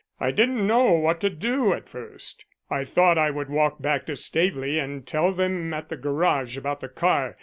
I didn't know what to do at first. I thought I would walk back to Staveley and tell them at the garage about the car.